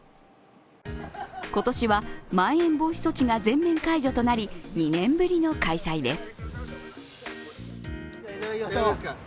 今年はまん延防止措置が全面解除となり、２年ぶりの開催です。